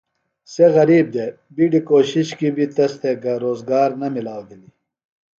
.سےۡ غریب دےۡ۔ِبیڈیۡ کوشش کی بیۡ تس تھےۡ گہ روزگار نہ مِلاؤ بھلیۡ۔